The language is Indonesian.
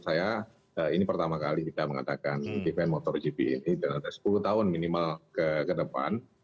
saya ini pertama kali kita mengatakan event motogp ini dan ada sepuluh tahun minimal ke depan